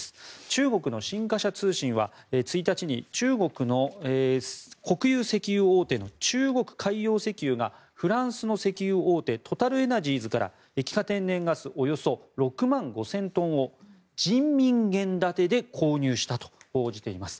中国の新華社通信は１日に中国の国有石油大手の中国海洋石油がフランスの石油大手トタルエナジーズから液化天然ガスおよそ６万５０００トンを人民元建てで購入したと報じています。